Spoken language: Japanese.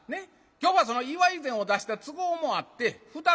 今日はその祝い膳を出した都合もあって蓋が開いてたんですな。